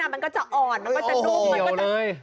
มันก็จะอ่อนมันก็จะดุ้ง